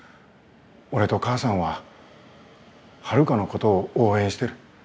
俺と母さんはハルカのことを応援してる。